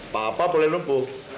papa boleh menemukan dia